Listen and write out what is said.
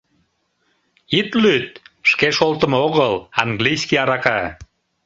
Ит лӱд: шке шолтымо огыл, английский арака...